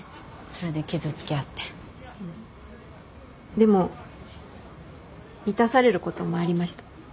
でも満たされることもありました。